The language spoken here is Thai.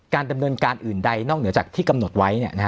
ดำเนินการอื่นใดนอกเหนือจากที่กำหนดไว้